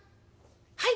「はい？」。